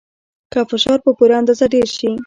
که فشار په پوره اندازه ډیر شي.